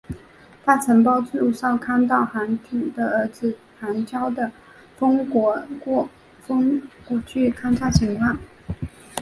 她曾帮助少康到寒浞的儿子寒浇的封地过国去侦察情况。